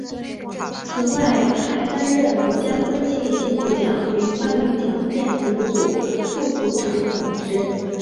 此外他还担任国家科技进步奖与发明奖电子组副组长等职。